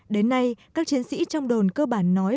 đến nay các chiến sĩ trong đồn cơ bản nói